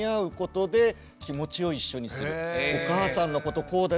お母さんのことこうだよ。